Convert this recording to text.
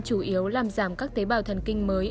chủ yếu làm giảm các tế bào thần kinh mới